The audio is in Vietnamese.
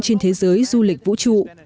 trên thế giới du lịch vũ trụ